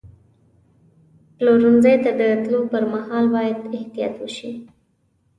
پلورنځي ته د تللو پر مهال باید احتیاط وشي.